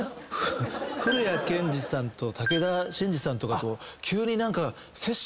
降谷建志さんと武田真治さんとかと急に。